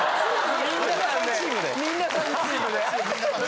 みぃんなさんチームで。